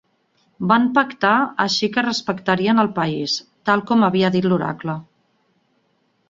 Van pactar així que respectarien el país, tal com havia dit l'oracle.